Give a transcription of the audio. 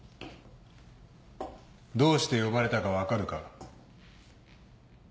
どうして呼ばれたか分かるか？